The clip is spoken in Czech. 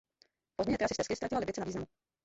Po změně trasy stezky ztratila Libice na významu.